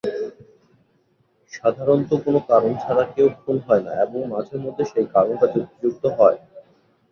সাধারণত কোন কারন ছাড়া কেউ খুন হয়না এবং মাঝেমধ্যে সেই কারনটা যুক্তিযুক্ত হয়।